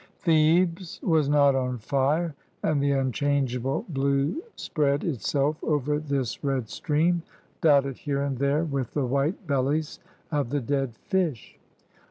Thebes was not on fire, and the unchangeable blue 145 EGYPT spread itself over this red stream dotted here and there with the white bellies of the dead fish.